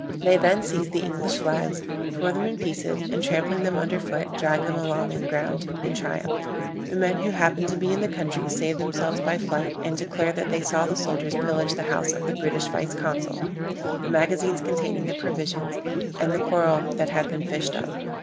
They then seized the English flags, tore them in pieces, and trampling them under foot, dragged them along the ground in triumph. The men who happened to be in the country saved themselves by flight, and declared that they saw the soldiers pillage the house of the British vice consul, the magazines containing the provisions, and the coral that had been fished up.